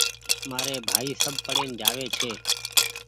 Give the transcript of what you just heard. مآري ڀآئي سب پڙين جآوي ڇي